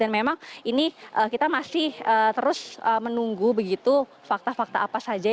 dan memang ini kita masih terus menunggu begitu fakta fakta apa saja